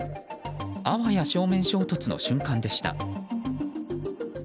あわや正面衝突の瞬間でした。